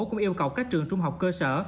cũng yêu cầu các trường trung học cơ sở